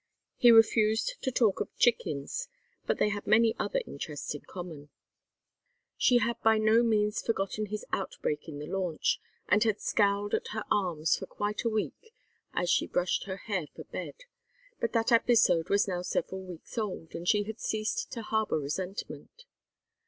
He refused to talk of chickens, but they had many other interests in common. She had by no means forgotten his outbreak in the launch, and had scowled at her arms for quite a week as she brushed her hair for bed, but that episode was now several weeks old, and she had ceased to harbor resentment.